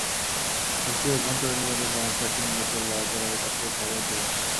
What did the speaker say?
দেশটির অভ্যন্তরীণ গোয়েন্দা সংস্থা শিন বেতের বরাতে রয়টার্স এ খবর দিয়েছে।